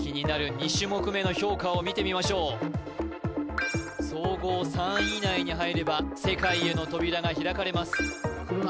２種目めの評価を見てみましょう総合３位以内に入れば世界への扉が開かれます